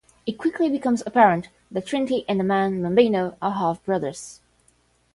It quickly becomes apparent that Trinity and the man, Bambino, are half-brothers.